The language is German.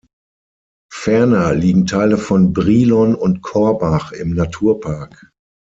Ferner liegen Teile von Brilon und Korbach im Naturpark.